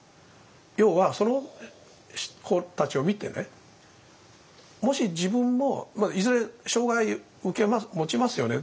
要はその子たちを見てもし自分もいずれ障害をもちますよね。